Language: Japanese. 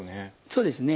そうですね。